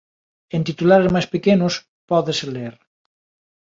En titulares máis pequenos pódese ler: